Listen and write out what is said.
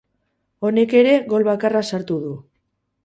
Honek ere, gol bakarra sartu du.